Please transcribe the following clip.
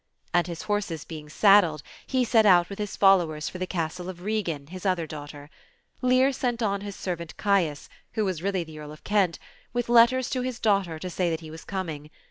And his horses being saddled, he set out with his followers for the castle of Regan, his other daughter. Lear sent on his servant Caius, who was really the Earl of Kent, with letters to his daughter to say he was coming.